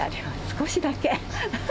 少しだけ。